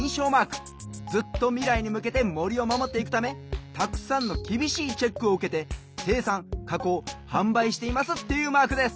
ずっとみらいにむけてもりをまもっていくためたくさんのきびしいチェックをうけてせいさんかこうはんばいしていますっていうマークです。